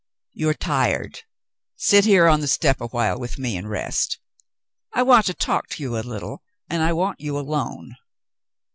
"You are tired. Sit here on the step awhile with me and rest. I want to talk to you a little, and I want you alone."